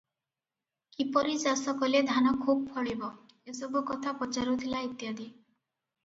କିପରି ଚାଷକଲେ ଧାନ ଖୁବ୍ ଫଳିବ, ଏସବୁକଥା ପଚାରୁଥିଲା ଇତ୍ୟାଦି ।